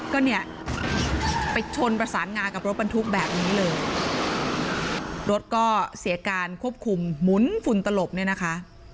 ก็เนี่ยไปชนประสานงากับรถบรรทุกแบบนี้เลยรถก็เสียการควบคุมหมุนฝุ่นตลบเนี่ยนะคะ